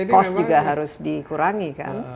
cost juga harus dikurangi kan